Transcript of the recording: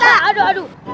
aduh aduh aduh